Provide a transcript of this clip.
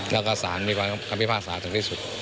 แล้วก็สารมีความคำพิพากษาถึงที่สุด